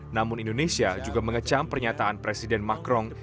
namun indonesia juga mengecam pernyataan presiden macron